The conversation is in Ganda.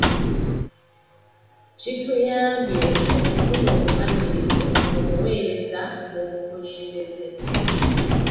Kituyambye okufuna obumanyirivu mu buweereza n'obukulembeze.